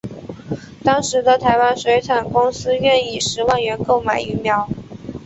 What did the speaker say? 当时的台湾水产公司愿以十万元购买鱼苗。